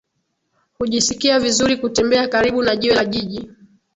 Hujisikia vizuri kutembea karibu na jiwe la jiji